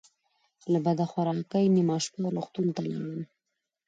له بده خورګۍ نیمه شپه روغتون ته لاړم.